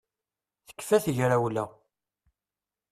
Tekfa tegrawla